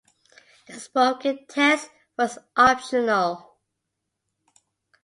The spoken test was optional.